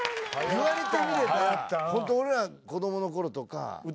言われてみればホント俺ら子供のころとか。